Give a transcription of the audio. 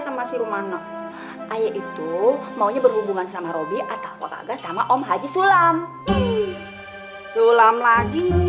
sama si rumano ayah itu maunya berhubungan sama roby atau wakaga sama om haji sulam sulam lagi